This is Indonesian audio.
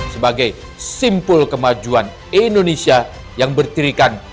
sebagai simpul kemajuan indonesia yang bertirikan